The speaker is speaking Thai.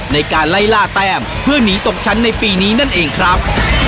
ในการไล่ล่าแต้มเพื่อหนีตกชั้นในปีนี้นั่นเองครับ